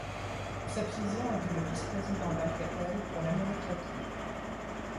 Sapsizian était le vice-président d'Alcatel pour l’Amérique latine.